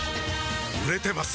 売れてます